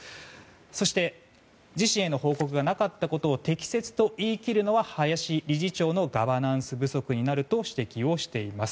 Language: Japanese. そして、自身への報告がなかったことを適切と言い切るのは林理事長のガバナンス不足になると指摘をしています。